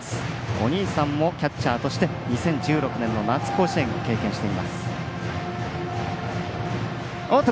お兄さんもキャッチャーとして２０１６年の夏甲子園を経験しています。